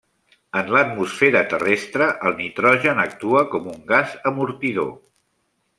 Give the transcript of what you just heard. En Atmosfera terrestre, el nitrogen actua com un gas amortidor.